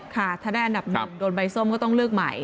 ค่ะถ้าได้อันดับหนึ่งโดนใบส้มก็ต้องเลือกใหม่